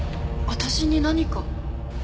私に何か？